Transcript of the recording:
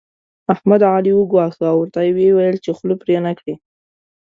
احمد؛ علي وګواښه او ورته ويې ويل چې خوله پرې نه کړې.